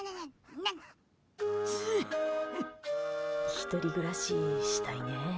１人暮らし、したいねえ。